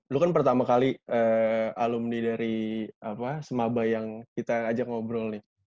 lu kan pertama kali alumni dari semaba yang kita ajak ngobrol nih